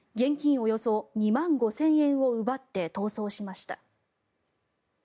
およそ２万５０００円を奪って、逃走しました。